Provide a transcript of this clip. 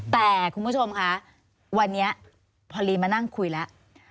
แต่คุณผู้ชมคะวันนี้พอลีมานั่งคุยแล้ว